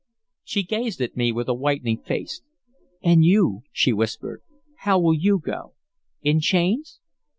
She gazed at me with a whitening face. "And you?" she whispered. "How will you go? In chains?"